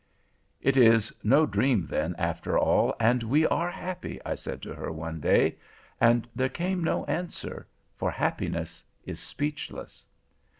"'It is no dream, then, after all, and we are happy,' I said to her, one day; and there came no answer, for happiness is speechless.